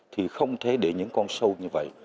thì không thể để những con sâu như vậy